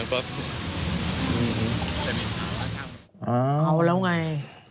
เอาแล้วไง